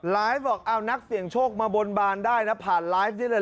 บอกเอานักเสี่ยงโชคมาบนบานได้นะผ่านไลฟ์นี้เลย